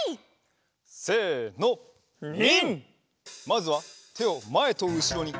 まずはてをまえとうしろに。